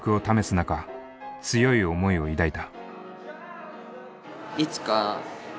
中強い思いを抱いた。